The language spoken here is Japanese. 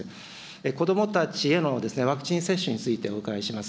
子どもたちへのワクチン接種についてお伺いします。